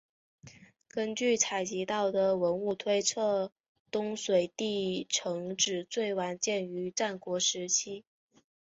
根据采集到的文物推测东水地城址最晚建于战国时期。